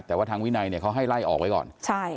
แต่ว่าทางวินัยเนี่ยเขาให้ไล่ออกไว้ก่อน